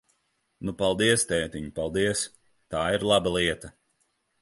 Nu, paldies, tētiņ, paldies! Tā ir laba lieta!